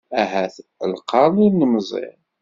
Ahat lqern ur nemmẓir!